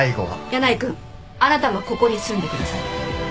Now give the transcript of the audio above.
箭内くんあなたもここに住んでください。